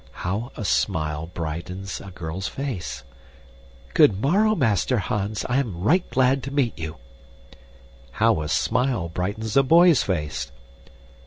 How a smile brightens a girl's face! "Good morrow, Master Hans, I am right glad to meet you." How a smile brightens a boy's face!